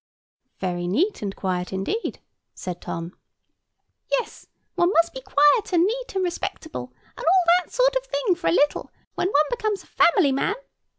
"Very neat and quiet indeed," said Tom. "Yes, one must be quiet and neat and respectable, and all that sort of thing for a little, when one becomes a family man.